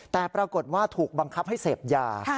แต่ปรากฏว่าถูกบังคับให้เสพยา